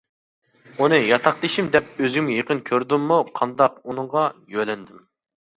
ئۇنى ياتاقدىشىم دەپ ئۆزۈمگە يېقىن كۆردۈممۇ قانداق ئۇنىڭغا يۆلەندىم.